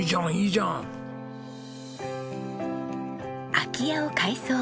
空き家を改装。